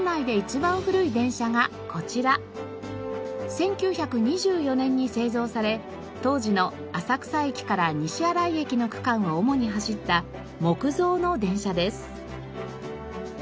１９２４年に製造され当時の浅草駅から西新井駅の区間を主に走った木造の電車です。